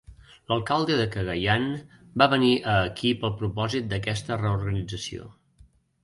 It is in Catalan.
L'alcalde de Cagayan va venir a aquí pel propòsit d'aquesta reorganització.